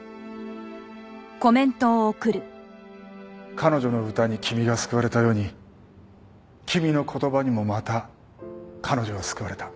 彼女の歌に君が救われたように君の言葉にもまた彼女は救われた。